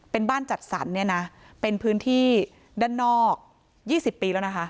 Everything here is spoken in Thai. เป็นบ้านจัดสรรเนี่ยนะเป็นพื้นที่ด้านนอก๒๐ปีแล้วนะคะ